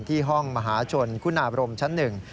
ที่ห้องมหาชนคุณาบรมชั้นหนึ่ง